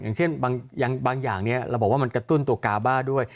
อย่างเช่นบางอย่างนี้เราบอกว่ามันกระตุ้นตัวกาบ้าด้วย